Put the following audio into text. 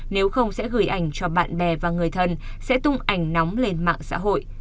nếu không sẽ gửi ảnh cho bạn bè và người thân sẽ tung ảnh nóng lên mạng xã hội